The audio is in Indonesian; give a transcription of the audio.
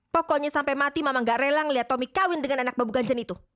pokoknya sampai mati mama gak rela ngeliat tommy kawin dengan anak babu ganjar itu